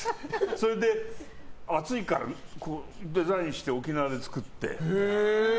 それで、暑いからデザインして沖縄で作って。